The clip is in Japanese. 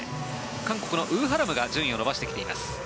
韓国のウ・ハラムが順位を伸ばしてきています。